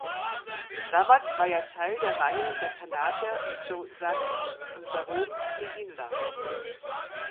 Damals war er Teil der Reihe der Kanadier mit Joe Sakic und Jarome Iginla.